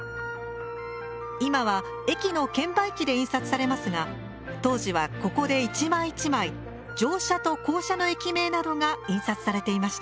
今は駅の券売機で印刷されますが当時はここで一枚一枚乗車と降車の駅名などが印刷されていました。